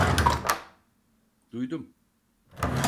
Duydum.